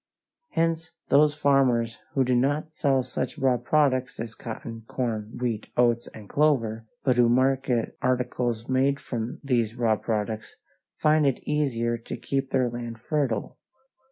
Hence those farmers who do not sell such raw products as cotton, corn, wheat, oats, and clover, but who market articles made from these raw products, find it easier to keep their land fertile.